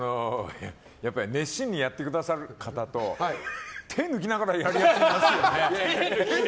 熱心にやってくださる方と手を抜きながらやるやついますよね。